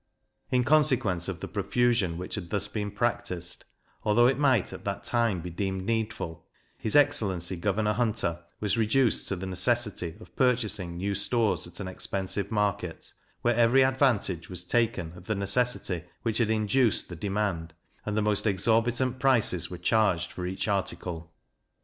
In consequence of the profusion which had thus been practised, although it might at that time be deemed needful, his excellency Governor Hunter was reduced to the necessity of purchasing new stores at an expensive market, where every advantage was taken of the necessity which had induced the demand, and the most exorbitant prices were charged for each article.